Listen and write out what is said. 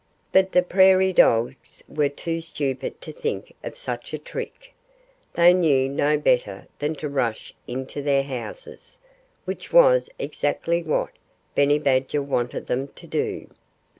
But the prairie dogs were too stupid to think of such a trick. They knew no better than to rush into their houses which was exactly what Benny Badger wanted them to do.